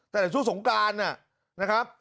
ตั้งแต่ช่วงสงกรานน่ะนะครับ